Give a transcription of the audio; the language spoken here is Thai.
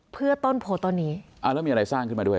เพื่อต้นโพต้นนี้อ่าแล้วมีอะไรสร้างขึ้นมาด้วย